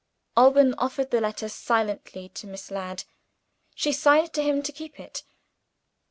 Alban offered the letter silently to Miss Ladd. She signed to him to keep it.